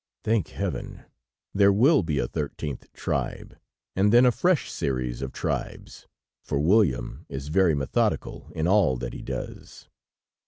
Thank Heaven! There will be a thirteenth tribe, and then a fresh series of tribes, for William is very methodical in all that he does!"